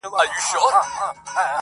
هغه ها ربابي هغه شاعر شرابي,